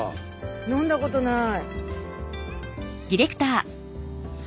飲んだことない。